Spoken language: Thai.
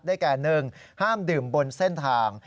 แก่๑ห้ามดื่มบนเส้นทาง